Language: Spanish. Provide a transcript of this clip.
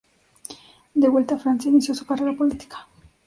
De vuelta a Francia, inició su carrera política.